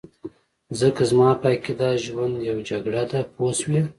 ځکه زما په عقیده ژوند یو جګړه ده پوه شوې!.